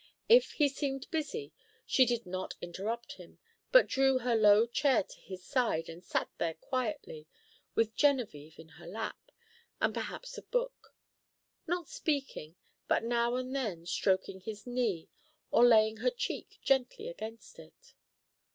If he seemed busy, she did not interrupt him, but drew her low chair to his side and sat there quietly, with Genevieve in her lap, and perhaps a book; not speaking, but now and then stroking his knee or laying her cheek gently against it.